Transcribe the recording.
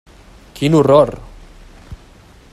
Quin horror!